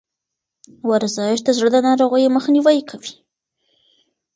ورزش د زړه د ناروغیو مخنیوی کوي.